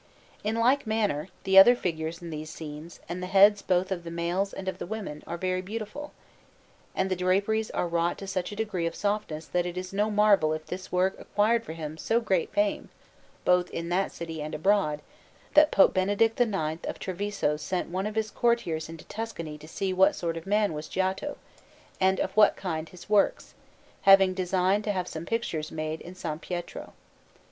In like manner, the other figures in these scenes and the heads both of the males and of the women are very beautiful; and the draperies are wrought to such a degree of softness that it is no marvel if this work acquired for him so great fame, both in that city and abroad, that Pope Benedict IX of Treviso sent one of his courtiers into Tuscany to see what sort of man was Giotto, and of what kind his works, having designed to have some pictures made in S. Pietro.